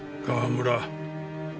川村。